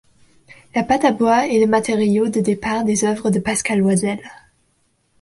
La pâte à bois est le matériau de départ des œuvres de Pascale Loisel.